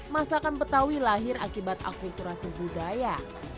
masakan betawi lahir akibat akulturasi budaya